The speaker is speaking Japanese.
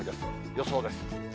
予想です。